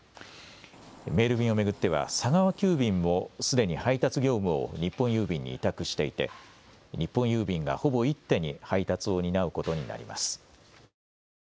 メール便を巡っては佐川急便もすでに配達業務を日本郵便に委託していて日本郵便がほぼ一手に配達を担うことになります。